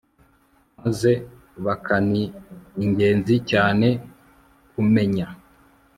maze bakaNi ingenzi cyane kumenya